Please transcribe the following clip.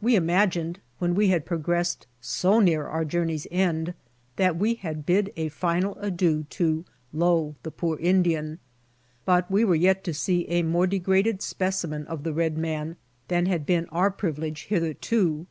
We IMAGINED when we had progressed so near our journey's end that we had bid a final adieu to "Lo, the poor Indian." But we were yet to see a more degraded specimen of the red man than had been our privilege hitherto.